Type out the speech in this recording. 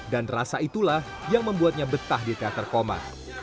dan rasa itulah yang membuatnya betah di teater koma